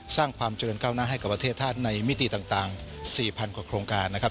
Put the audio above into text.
สร้างความเจริญก้าวหน้าให้กับประเทศชาติในมิติต่าง๔๐๐กว่าโครงการนะครับ